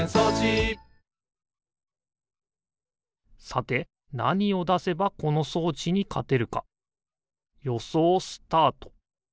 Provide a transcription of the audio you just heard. さてなにをだせばこのそうちにかてるかよそうスタート！